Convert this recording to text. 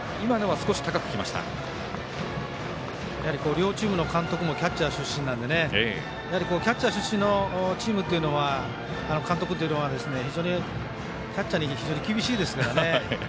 両チームの監督もキャッチャー出身なんでキャッチャー出身のチームの監督っていうのはキャッチャーに非常に厳しいですからね。